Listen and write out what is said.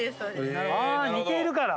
似てるから。